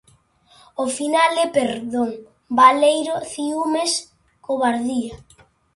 O final é perdón, baleiro, ciúmes, covardía.